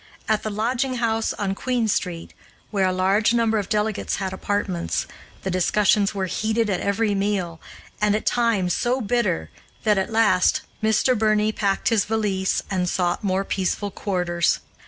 At the lodging house on Queen Street, where a large number of delegates had apartments, the discussions were heated at every meal, and at times so bitter that, at last, Mr. Birney packed his valise and sought more peaceful quarters.